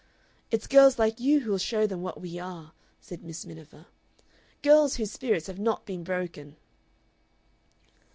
"It's girls like you who will show them what We are," said Miss Miniver; "girls whose spirits have not been broken!"